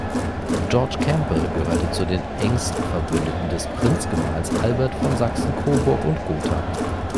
George Campbell gehörte zu den engsten Verbündeten des Prinzgemahls Albert von Sachsen-Coburg und Gotha.